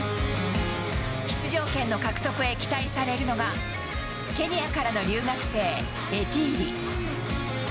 出場権の獲得へ期待されるのが、ケニアからの留学生、エティーリ。